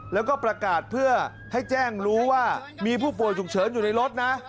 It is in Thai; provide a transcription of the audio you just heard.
แล้วก็ประกาศเพื่อให้แจ้งรู้ว่ามีผู้ป่วยฉุกเฉินอยู่ในรถนะ